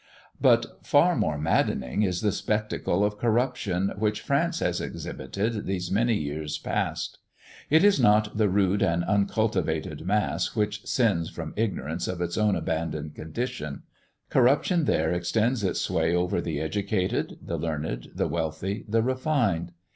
But far more saddening is the spectacle of corruption, which France has exhibited these many years past. It is not the rude and uncultivated mass which sins from ignorance of its own abandoned condition; corruption there extends its sway over the educated, the learned, the wealthy, the refined.